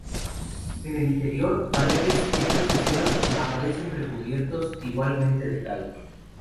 En el interior, paredes, techos y suelos aparecen recubiertos igualmente de cal.